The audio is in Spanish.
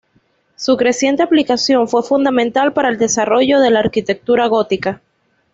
Su creciente aplicación fue fundamental para el desarrollo de la arquitectura gótica.